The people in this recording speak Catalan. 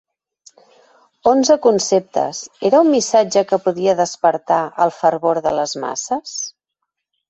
«Onze conceptes» era un missatge que podia despertar el fervor de les masses?